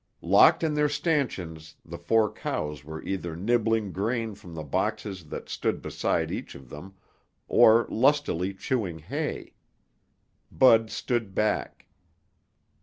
Locked in their stanchions, the four cows were either nibbling grain from the boxes that stood beside each of them or lustily chewing hay. Bud stood back.